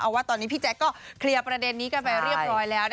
ว่าตอนนี้พี่แจ๊คก็เคลียร์ประเด็นนี้กันไปเรียบร้อยแล้ว